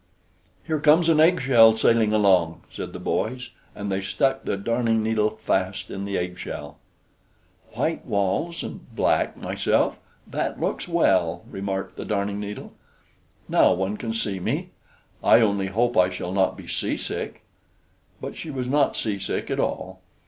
"Here comes an eggshell sailing along!" said the boys; and they stuck the Darning needle fast in the eggshell. "White walls, and black myself! that looks well," remarked the Darning needle. "Now one can see me. I only hope I shall not be seasick!" But she was not seasick at all.